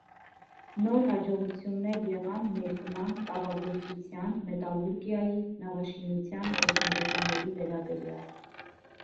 Նոր հաջողություններ եղան ներկման, կավագործության, մետալուրգիայի, նավաշինության տեխնոլոգիաների վերաբերյալ։